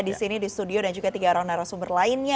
disini di studio dan juga tiga orang narasumber lainnya